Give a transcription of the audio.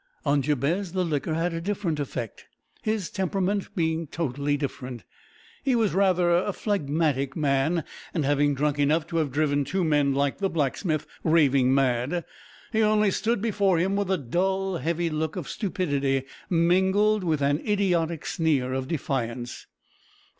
On Jabez the liquor had a different effect, his temperament being totally different. He was a rather phlegmatic man, and, having drunk enough to have driven two men like the blacksmith raving mad, he only stood before him with a dull heavy look of stupidity, mingled with an idiotic sneer of defiance.